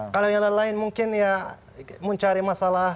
kalau yang lain lain mungkin ya mencari masalah